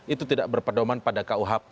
itu tidak berpedoman pada kuhp